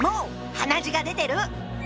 鼻血が出てる！